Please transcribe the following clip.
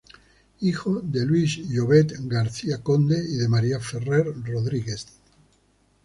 Hijo de Luis Llobet Garcia-Conde y de María Ferrer Rodríguez.